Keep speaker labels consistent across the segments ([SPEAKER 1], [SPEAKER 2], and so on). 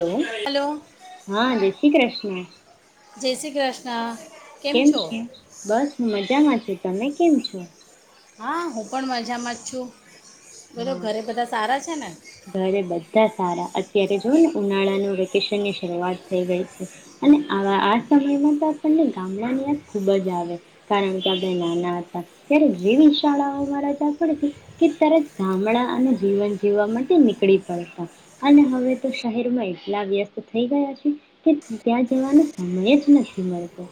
[SPEAKER 1] Hello, હાં જે શ્રી ક્રષ્ણ,
[SPEAKER 2] જય શ્રી કૃષ્ણ
[SPEAKER 1] કેમ છો? બસ હું મજામાં છું. તમે કેમ છો?
[SPEAKER 2] હા હું પણ મજામાં જ છું. બોલો
[SPEAKER 1] હા.
[SPEAKER 2] ઘરે બધા સારા છે ને
[SPEAKER 1] ઘરે બધા સારા. અત્યારે જોઓ ને ઉનાળાનું વેકેશનની શરૂઆત થઈ ગઈ છે, અને આવા આ સમયમાં તો આપણને ગામડાની યાદ ખુબ જ આવે, કારણ કે આપણે નાના હતા, ત્યારે જેવી શાળાઓમાં રજા પડી હતી કે તરત ગામડા અને જીવન જીવવા માટે નીકળી પડતા, અને હવે તો શહેરમાં એટલા વ્યસ્ત થઈ ગયા છી, કે ત્યાં જવાનો સમય જ નથી મળતો.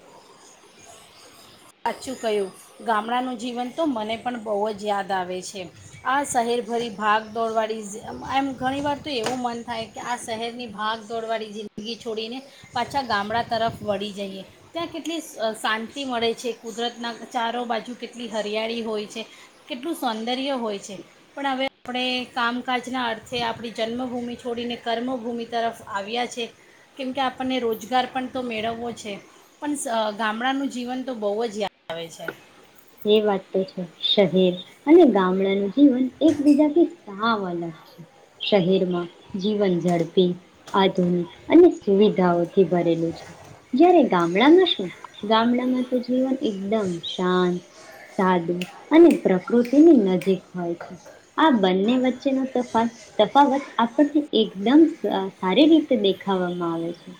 [SPEAKER 2] સાછું કહ્યું. ગામડાનું જીવન તો મને પણ બહુ જ યાદ આવે છે, આ શહેરભરી ભાગ દોડવાળી ઝિ મા એમ, ઘણી વાર તો એવું મન થાય કે આ શહેરની ભાગ દોડવાળી જિંદગી છોડીને પાછા ગામડા તરફ વળી જઈએ. ત્યાં કેટલી શ શાંતિ મળે છે. કુદરતના ચારો બાજુ કેટલી હરિયાળી હોય છે, કેટલું સૌંદર્ય હોય છે, પણ હવે આપણે કામકાજના અર્થે આપણી જન્મભૂમિ છોડીને કર્મભૂમિ તરફ આવ્યા છે, કેમકે આપણને રોજગાર પણ તો મેળવવો છે, પણ સ ગામડાનું જીવન તો બોવ જ [unintelligible] આવે છે.
[SPEAKER 1] એ વાત તો છે. શહેર અને ગામડાનું જીવન એકબીજાથી સાવ અલગ છે. શહેરમાં જીવન ઝડપી, આધુનિક અને સુવિધાઓ થી ભરેલું છે, જ્યારે ગામડામાં [unintelligible] ગામડામાં તો જીવન એકદમ શાંત સાદું અને પ્રકૃતિની નજીક હોય છે, આ બંને વચ્ચેનો તફાવ તફાવત આપણને એકદમ સ સારી રીતે દેખાવવામાં આવે છે.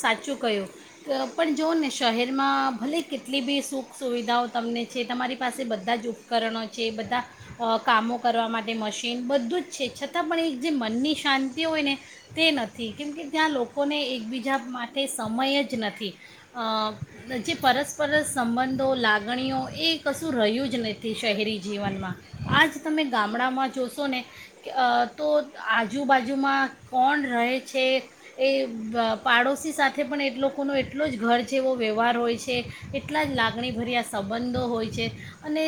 [SPEAKER 2] સાચું કહ્યું. અહ પણ જોઓ ને શહેરમાં ભલે કેટલી બી સુખ સુવિધાઓ તમને છે, તમારી પાસે બધા જ ઉપકરણો છે, બધા અહ કામો કરવા માટે મશીન બધું જ છે, છતાં પણ એક જે મનની શાંતિ હોય ને, તે નથી કેમકે ત્યાં લોકોને એકબી જા માટે સમય જ નથી. અહ જે પરસ્પર સંબંધો, લાગણીઓ એ કશું રહ્યું જ નથી શહેરી જીવનમાં, આજ તમે ગામડામાં જોશો ને ક અહ તો આજુબાજુમાં કોણ રહે છે, એ બ પાડોશી સાથે પણ એ લોકોનો એટલો જ ઘર જેવો વ્યવહાર હોય છે, એટલા જ લાગણીભર્યા સંબંધો હોય છે, અને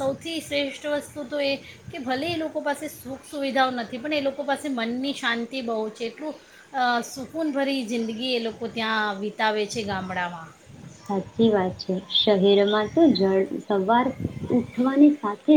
[SPEAKER 2] સૌથી શ્રેષ્ઠ વસ્તુ તો એ કે ભલે એ લોકો પાસે સુખ સુવિધાઓ નથી, પણ એ લોકો પાસે મનની શાંતિ બહુ છે, એટલું આ સુકૂનભરી જિંદગી એ લોકો ત્યાં વિતાવે છે ગામડામાં.
[SPEAKER 1] સાચી વાત છે. શહેરમાં તો જળ સવાર ઉઠવાની સાથ થે જ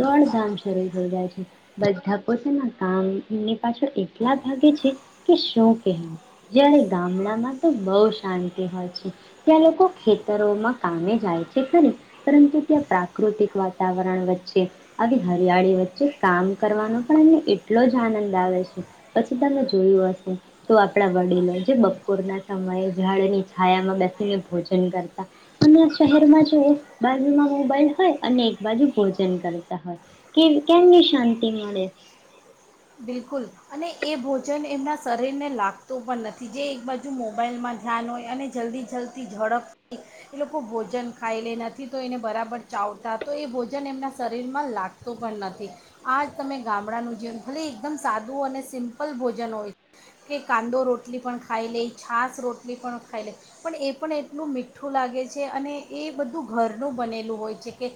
[SPEAKER 1] દોડધામ શરૂ થઈ જાય છે, બધા પોતાના કામની પાછળ એટલા ભાગે છે કે શું કહેવું, જ્યારે ગામડામાં તો બહુ શાંતિ હોય છે. ત્યાં લોકો ખેતરોમાં કામે જાય છે ખરી, પરંતુ ત્યાં પ્રાકૃતિક વાતાવરણ વચ્ચે, આવી હરિયાળી વચ્ચે કામ કરવાનો પણ એમને એટલો જ આનંદ આવે છે, પછી તમે જોયું હશે તો આપણા વડીલો જે બપોરના સમયે ઝાડની છાયામાં બેસ સી ને ભોજન કરતા અને આ શહેરમાં જોઓ બાજુમાં મોબાઈલ હોય અને એક બાજુ ભોજન કરતા હોય. કે કેમની શાંતિ મળે?
[SPEAKER 2] બિલકુલ, અને એ ભોજન એમના શરીરને લાગતું પણ નથી. જે એક બાજુ મોબાઈલમાં ધ્યાન હોય અને જલ્દી જલ્દી ઝડપ થી એ લોકો ભોજન ખાઈ લે નથી તો એને બરાબર ચાવતા તો એ ભોજન એમના શરીરમાં લાગતું પણ નથી. આ તમે ગામડાનું જેમ ભલે એકદમ સાદું અને સિમ્પલ ભોજન હોય કે કાંદો રોટલી પણ ખાઈ લેય, છાસ રોટલી પણ ખાઈ લેય, પણ એ પણ એટલું મીઠું લાગે છે. અને એ બધું ઘરનું બનેલું હોય છે. કે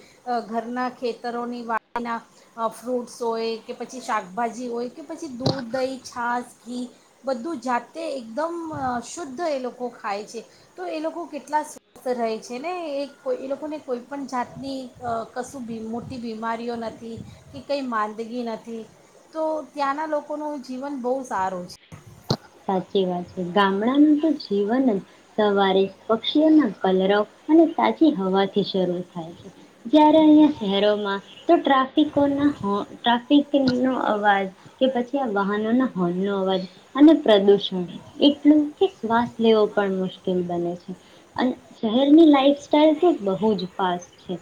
[SPEAKER 2] ઘરના ખેતરોની વાળીના ફ્રૂટ્સ હોય કે પછી શાક ભાજી હોય કે પછી દૂધ દહી છાસ ઘી બધું જાતે એકદમ શુદ્ધ એ લોકો ખાય છે. તો એ લોકો કેટલા સ્વસ્થ રહે છે. ને એ કો એ લોકોને કોઈ પણ જાતની કશું મોટી બીમારીઓ નથી કે કંઈ માંદગી નથી. તો ત્યાંના લોકોનું જીવન બહુ સારું છે.
[SPEAKER 1] સાચી વાત છે. ગામડાનું તો જીવન જ સવારે પક્ષીઓના કલરવ અને તાજી હવાથી શરૂ થાય છે. જયારે અહીંયા શહેરોમાં તો ટ્રાફિકોના હો ટ્રાફિક નો અવાજ કે પછી આ વાહનોના હોનનો અવાજ અને પ્રદૂષણ એટલું કે શ્વાસ લેવો પણ મુશ્કેલ બને છે અને શહેરની લાઈફસ્ટાઈલ તો બહુજ ફાસ્ટ છે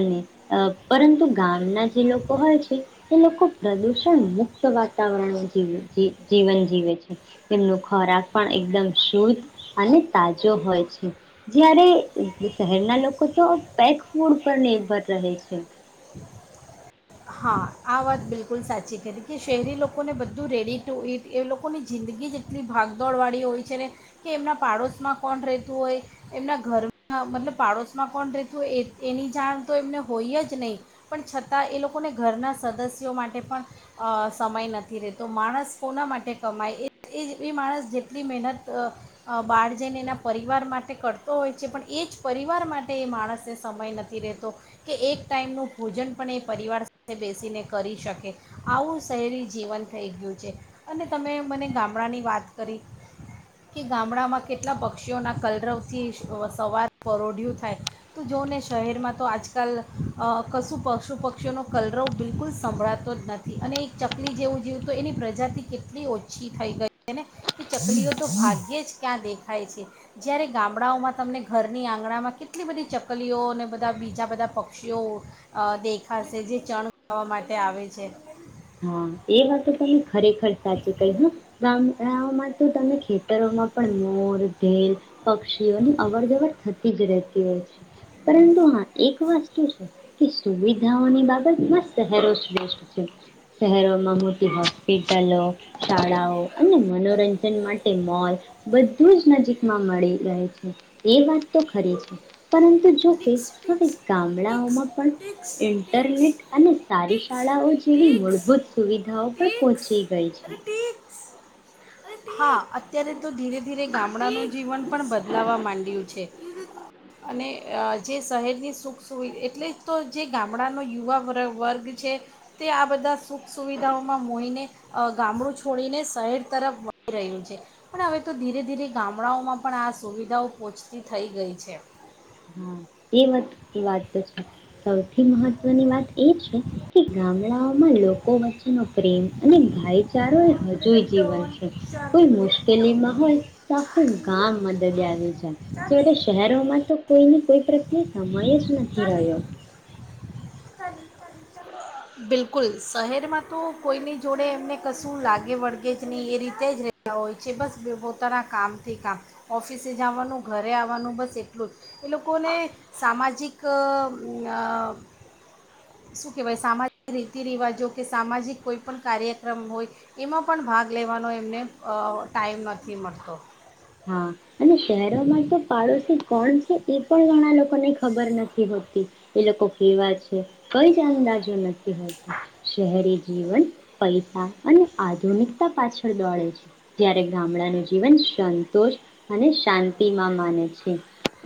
[SPEAKER 1] અને પરંતુ ગામના જે લોકો હોય છે એ લોકો પ્રદૂષણ મુક્ત વાતાવરણ જીવ જી જીવન જીવે છે. તેમનો ખોરાક પણ એકદમ શુદ્ધ અને તાજો હોય છે. જયારે શહેરના લોકો તો પેક ફૂડ પર નિર્ભર રહે છે.
[SPEAKER 2] હા. આ વાત બિલકુલ સાચી કરી, કે શહેરી લોકોને બધું રેડી ટુ ઇટ એ લોકોની જિંદગી જ એટલી ભાગદોડવાળી હોય છે ને, કે એમના પાડોશમાં કોણ રહેતું હોય, એમના ઘરમાં મતલબ પાડોશમાં કોણ રહેતું હોય, એ એની જાણ તો એમને હોય જ નહીં, પણ છતાં એ લોક લોકોને ઘરના સદસ્યો માટે પણ અ સમય નથી રહેતો. માણસ કોના માટે કમાય એ એ માણસ જેટલી મહેનત બહાર જઈને એના પરિવાર માટે કરતો હોય છે. પણ એ જ પરિવાર માટે એ માણસને સમય નથી રહેતો કે એક ટાઈમનું ભોજન પણ એ પરિવાર સા થે બેસીને કરી શકે આવું શહેરી જીવન થઈ ગયું છે અને તમે મને ગામડાની વાત કરી કે ગામડામાં કેટલા પક્ષીઓના કલરવથી સવાર પરોઢીયુ થાય તો જો ને શહેરમાં તો આજકાલ અ કશું પશુ પક્ષીઓનો કલરવ બિલકુલ સંભળાતો જ નથી. અને એક ચકલી જેવું જેવું તો એની પ્રજાતિ કેટલી ઓછી થઈ ગઈ છે. ને કે ચકલીઓ તો ભાગ્યે જ ક્યાં દેખાય છે. જ્યારે ગામડાઓમાં તમને ઘરની આંગણામાં કેટલી બધી ચકલીઓ અને બધા બીજા બધા પક્ષીઓ દેખાશે જે ચણ ખાવા માટે આવે છે.
[SPEAKER 1] હ એ વાત તમે ખરેખર સાચી કઈ હ ગામડાઓમાં તો તમે ખેતરોમાં પણ મોર ઢેલ પક્ષીઓની અવર જવર થ ઇજ રહેતી હોય છે, પરંતુ હા એક વસ્તુ છે કે સુવિધાઓની બાબતમાં શહેરો જ શ્રેષ્ઠ છે. શહેરોમાં મોટી હોસ્પિટલો, શાળાઓ અને મનોરંજન માટે મોલ બધું જ નજીકમાં મળી રહે છે. એ વાત તો ખરી છે. પરંતુ જોકે
[SPEAKER 2] ટીક્સ
[SPEAKER 1] હવે
[SPEAKER 2] ટીક્સ ટીક્સ
[SPEAKER 1] ગામડાઓમાં પણ
[SPEAKER 2] ટીક્સ ટીક્સ
[SPEAKER 1] ઇન્ટરનેટ અને સારી
[SPEAKER 2] ટીક્સ
[SPEAKER 1] શાળાઓ જેવી મળ
[SPEAKER 2] ટીક્સ
[SPEAKER 1] ભૂત સુવિધાઓ પણ
[SPEAKER 2] ટીક્સ
[SPEAKER 1] પહોંચી ગઈ છે.
[SPEAKER 2] અરે ટીક્સ અરે [inaudible] હા અત્યારે તો ધીરે ધીરે ગામડાનું જીવન પણ બદલાવવા માંડ્યું છે. અને. એ અહ જે શહેરની સુખ સુવિ એટલેજ તો જે ગામડાનો યુવા વર વર્ગ છે. તે આ બધા સુખ સુવિધાઓમાં મોહીને અહ ગામડું છોડીને શહેર તરફ વહી રહ્યું છે. પણ હવે તો ધીરે ધીરે ગામડાઓમાં પણ આ સુવિધાઓ પહોંચતી થઈ ગઈ છે.
[SPEAKER 1] હા એ વત વાત તો છે. સૌથી મહત્ત્વની વાત એ છે કે ગામડાઓમાં લોકો વચ્ચેનો પ્રેમ અને ભાઈચારો [inaudible] જઈ જીવન છે. કોઈ મુશ્કેલીમાં હોય તો આખું ગામ મદરીયે આવી જાય, જ્યારે શહેરોમાં તો કોઈને કોઈ પ્રત્યે સમયે જ નથી રહ્યો.
[SPEAKER 2] બિલકુલ શહેરમાં તો કોઈની જોડે એમને કશું લાગે વળગે જ નહીં, એ રીતે જ રેતા હોય છે. બસ પોતાના કામથી કામ ઓફિસે જવાનું ઘરે આવવાનું બસ એટલું જ એ લોકોને સામાજિક અ અ શું કહેવાય સામા રીતિ રિવાજો કે સામાજિક કોઈ પણ કાર્યક્રમ હોય, એમાં પણ ભાગ લેવાનો એમને અ ટાઈમ નથી મળતો.
[SPEAKER 1] હા અને શહેરોમાં તો પાડોશી કોણ છે એ પણ ઘણા લોકોને ખબર નથી હોતી, એ લોકો કેવા છે. કઈ જ જાણતા જ નથી. શહેરી જીવન પૈસા અને આધુનિકતા પાછળ દોડે છે. જયારે ગામડાનું જીવન [inaudible] તોષ અને શાંતિ માં માને છે.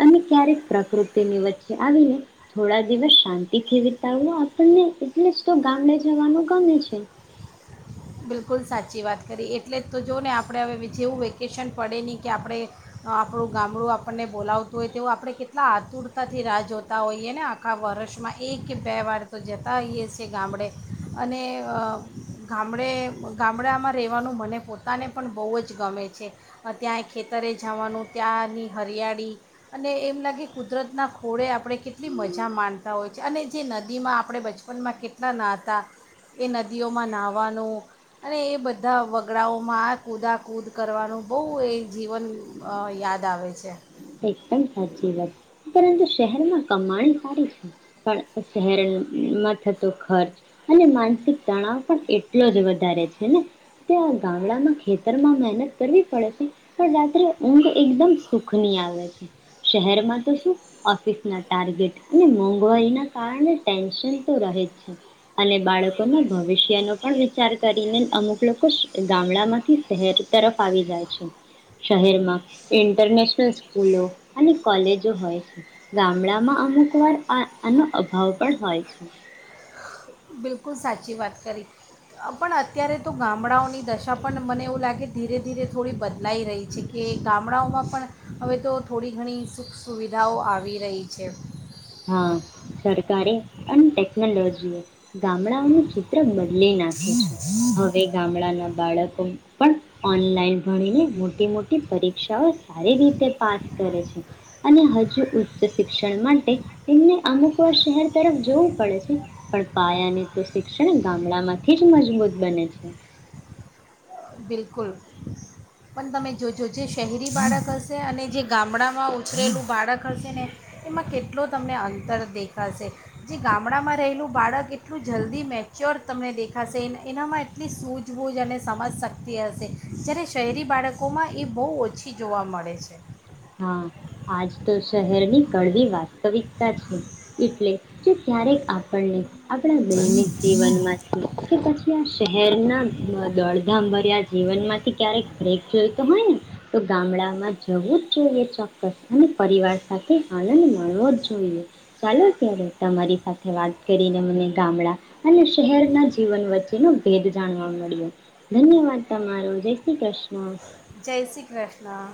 [SPEAKER 1] અને ક્યારેક પ્રકૃતિની વચ્ચે આવીને થોડા દિવસ શાંતિથી વિતાવવા આપણને એટલે જ તો ગામડે જવાનું ગમે છે.
[SPEAKER 2] બિલકુલ સાચી વાત કરી. એટલે જ તો જો ને આપણે હવે જેવું વેકેશન પડે નહીં, કે આપણે આપણું ગામડું આપણને બોલાવતું હોય તેવું આપણે કેટલા આતુરતાથી રાહ જોતા હોઈએ ને આખા વર્ષમાં એક કે બે વાર તો જતા હોએ છીએ ગામડે અને અ [inaudible] ગામડે ગામડામાં રહેવાનું મને પોતાને પણ બહુ જ ગમે છે. ત્યાં એ ખેતરે જવાનું ત્યાંની હરિયાળી અને એમ લાગે કુદરતના ખોળે આપણે કેટલી મજા માણતા હોય છે. અને જે નદીમાં આપણે બચપનમાં કેટલા નાહતા એ નદીઓમાં નાહવા વાનું અને એ બધા વગડાઓમાં આ કૂદા કૂદ કરવાનું બહુ એ જીવન અ યાદ આવે છે.
[SPEAKER 1] અરે હાચી વાત પરંતુ શહેરમાં કમાણી સારી છે, પણ શહેરોમાં થતો ખર્ચ અને માનસિક તણાવ પણ એટલો જ વધારે છેને તે આ ગામડામાં ખેતરમાં મહેનત કરવી પડે છે, પણ રાત્રે ઊંઘ એકદમ સુખ બની આવે છે. શહેરમાં તો શું ઓફિસ ના ટારગેટ અને મોંઘવારી ના કારણે ટેન્શન તો રહે જ છે. અને બાળકોના ભવિષ્યનો પણ વિચાર કરીને અમુક લોકો ગામડામાંથી શહેર તરફ આવી જાય છે. શહેરમાં ઇન્ટરનેશ તા સ્કૂલો અને કોલેજો હોય છે. ગામડામાં અમુકવાર આ આનો અભાવ પણ હોય છે.
[SPEAKER 2] બિલકુલ સાચી વાત કરી પણ અત્યારે તો ગામડાઓની દશા પણ મને એવું લાગે ધીરે ધીરે થોડી બદલાઈ રહી છે કે ગામડાઓમાં પણ હવે તો થોડી ઘણી સુખ સુવિધાઓ આવી રહી છે.
[SPEAKER 1] હા સરકારે અને ટેકનોલોજીએ ગામડાઓનું ચિત્ર બદ લી નાખ્યું છે. હવે ગામડાના બાળકો પણ ઓનલાઈન ભણીને મોટી મોટી પરીક્ષાઓ સારી રીતે પાસ કરે છે. અને હજુ ઉચ્ચ શિક્ષણ માટે એમને અમુક વાર શહેર તરફ જવું પડે છે. પણ પાયાને તો શિક્ષણ ગામડામાંથી જ મજબૂત બને છે.
[SPEAKER 2] બિલકુલ પણ તમે જોજો જે શહેરી બાળક હશે અને જે ગામડામાં ઉછરેલું બાળક હશે ને એમાં કેટલો તમને અંતર દેખાશે જે ગામડામાં રહેલું બાળક એટલું જલદી મેચ્યોર તમને દેખાશે એનએનામાં એટલી સૂઝબૂઝ અને સમજશક્તિ હશે જ્યારે શહેરી બાળકોમાં એ બહુ ઓછી જોવા મળે છે.
[SPEAKER 1] હા આજ તો શહેર ની કડવી વાત સ્તવિકતા છે, એટલે કે ક્યારેક આપણને આપણા દૈનિક જીવનમાંથી કે પછી આ શહેરના દોડધામ ભર્યા જીવનમાંથી ક્યારેક બ્રેક જોઈતો હોય ને તો ગામડામાં જવું જોઈએ એ ચોક્કસ. અને પરિવાર સાથે જ આનંદ માણવો જ જોઈએ ચાલો ત્યારે તમારી સાથે વાત કરી ને મને ગામડા અને શહેરના જીવન વચ્ચેનો ભેદ જાણવા મળ્યો ધન્યવાદ તમારો જય શ્રી કૃષ્ણ.
[SPEAKER 2] જય શ્રી કૃષ્ણ.